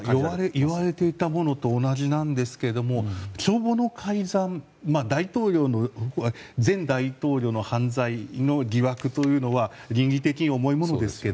いわれていたものと同じなんですけども帳簿の改ざん前大統領の犯罪の疑惑というのは倫理的に重いものですが。